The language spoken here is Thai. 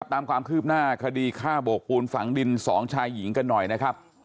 ตามความคืบหน้าคดีฆ่าโบกปูนฝังดิน๒ชายหญิงกันหน่อยนะครับ